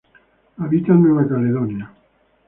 Habita en Nueva Caledonia.